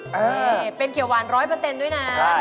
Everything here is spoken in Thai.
นี่เป็นเขียวหวาน๑๐๐ด้วยนะ